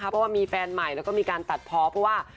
เพราะว่ามีแฟนใหม่แล้วก็มีการตัดเพาะเพราะว่า